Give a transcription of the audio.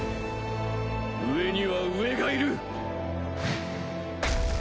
上には上がいる！